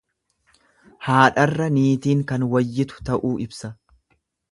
Haadharra niitiin kan wayyitu ta'uu ibsa.